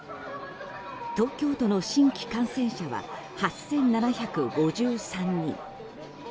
東京都の新規感染者は８７５３人。